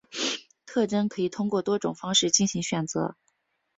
特征可以通过多种方法进行选择。